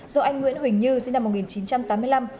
do anh nguyễn huỳnh như sinh năm một nghìn chín trăm tám mươi năm